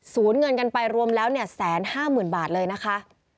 สูญเงินกันไปรวมแล้วเนี่ยแสนห้าหมื่นบาทเลยนะคะ